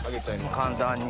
簡単に。